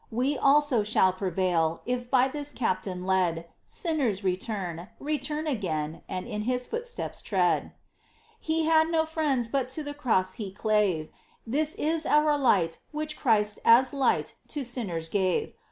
We also shall prevail, if by This captain led, Sinners, return, return again, and in His footsteps tread ! He had no friends But to the cross he clave : This is our light, which Christ as light To sinners gave.